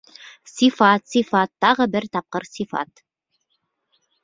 Сифат, сифат, тағы бер тапҡыр сифат.